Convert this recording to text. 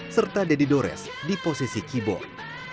serta deddy dores di posisi keyboard